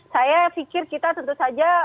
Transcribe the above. saya pikir kita tentu saja